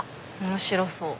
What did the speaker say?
面白そう。